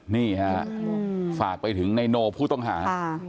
นี่ฮะฝากไปถึงนายโนผู้ต้องหา